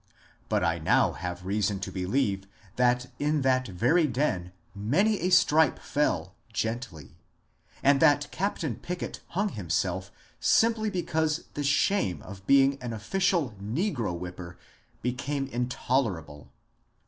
But I now have reason to believe that in that lonely den many a stripe fell gently, and that Captain Pickett hung himself simply because the shame of being an official negro whipper became intoler able.